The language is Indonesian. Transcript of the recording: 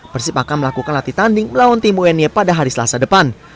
persib akan melakukan latih tanding melawan tim uny pada hari selasa depan